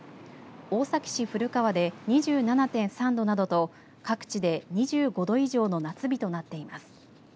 大崎市古川で２７．３度などと各地で２５度以上の夏日となっています。